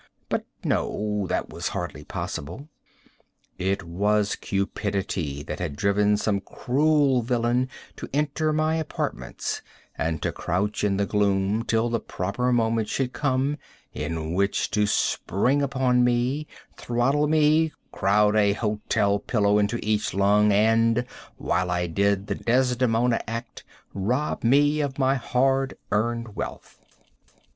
But no. That was hardly possible. It was cupidity that had driven some cruel villain to enter my apartments and to crouch in the gloom till the proper moment should come in which to spring upon me, throttle me, crowd a hotel pillow into each lung, and, while I did the Desdemona act, rob me of my hard earned wealth.